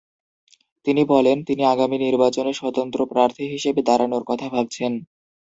তিনি বলেন, তিনি আগামী নির্বাচনে স্বতন্ত্র প্রার্থী হিসেবে দাঁড়ানোর কথা ভাবছেন।